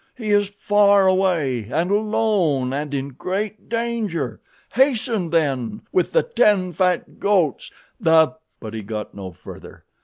He is far away and alone and in great danger. Hasten then with the ten fat goats, the " But he got no further.